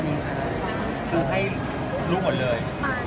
ถึงให้ลูกหมดเลย